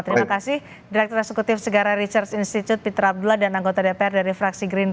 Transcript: terima kasih direktur eksekutif segara research institute pitra abdullah dan anggota dpr dari fraksi gerindra